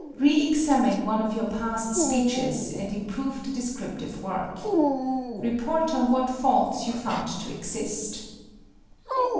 Reëxamine one of your past speeches and improve the descriptive work. Report on what faults you found to exist.